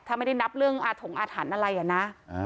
ถ้าไม่ได้นับเรื่องอาถงอาถรรพ์อะไรอ่ะนะ